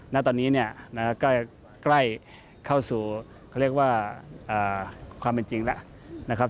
ณตอนนี้เนี่ยใกล้เข้าสู่เขาเรียกว่าความเป็นจริงแล้วนะครับ